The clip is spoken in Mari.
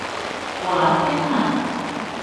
Колат, Йыгнат?..